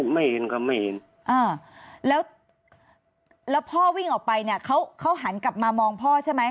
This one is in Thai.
ไม่เห็นครับไม่เห็นอ่าแล้วแล้วพ่อวิ่งออกไปเนี่ยเขาเขาหันกลับมามองพ่อใช่ไหม